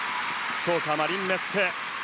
福岡マリンメッセ。